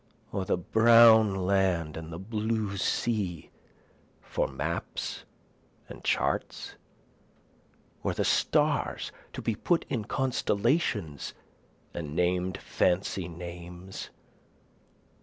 Or the brown land and the blue sea for maps and charts? Or the stars to be put in constellations and named fancy names?